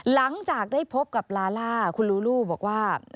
หลังจากได้พบกับลาล่าคุณลูลูบอกว่า